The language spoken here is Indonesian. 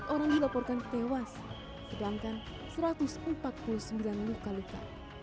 satu ratus lima puluh empat orang dilaporkan tewas sedangkan satu ratus empat puluh sembilan luka luka